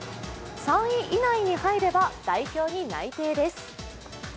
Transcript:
３位以内に入れば代表に内定です。